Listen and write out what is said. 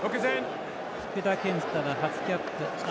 福田健太が初キャップ。